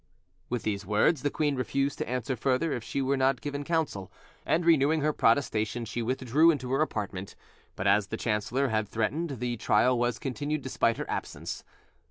With these words, the queen refused to answer further if she were not given counsel, and, renewing her protestation, she withdrew into her apartment; but, as the chancellor had threatened, the trial was continued despite her absence.